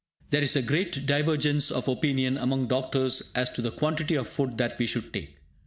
There is a great divergence of opinion among doctors as to the quantity of food that we should take.